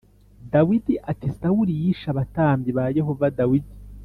Dawidi ati sawuli yishe abatambyi ba yehova dawidi